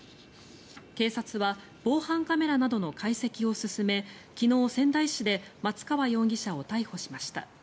警察は防犯カメラなどの解析を進め昨日、仙台市で松川容疑者を逮捕しました。